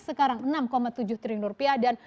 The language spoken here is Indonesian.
sekarang enam tujuh triliun rupiah dan